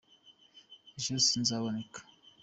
ejo sinzaboneka.